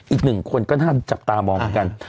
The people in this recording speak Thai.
อีกหนึ่งคนก็น่าจับตามองเหมือนกัน